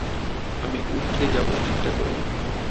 আমি উৎরে যাব, চিন্তা করো না।